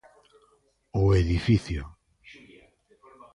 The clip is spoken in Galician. O edificio.